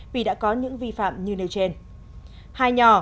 vì đã có những vi phạm như nơi trên